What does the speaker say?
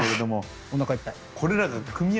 いやおなかいっぱい。